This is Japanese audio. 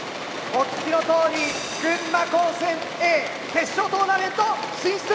お聞きのとおり群馬高専Ａ決勝トーナメント進出！